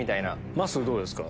まっすーどうですか？